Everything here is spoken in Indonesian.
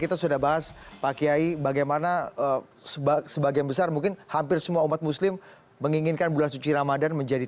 tepatlah bersama kami